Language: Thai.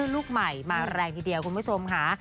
ลูกใหม่มาแรงทีเดียวคุณผู้ชมค่ะ